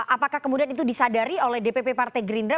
apakah kemudian itu disadari oleh dpp partai gerindra